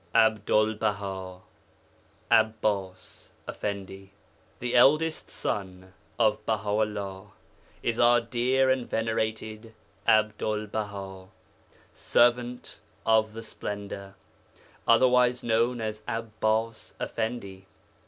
ABDUL BAHA (ABBAS EFFENDI) The eldest son of Baha 'ullah is our dear and venerated Abdul Baha ('Servant of the Splendour'), otherwise known as Abbas Effendi.